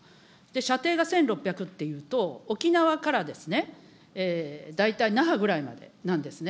射程が１６００っていうと、沖縄から大体那覇ぐらいまでなんですね。